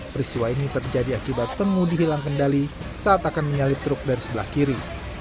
peristiwa ini terjadi akibat pengemudi hilang kendali saat akan menyalip truk dari sebelah kiri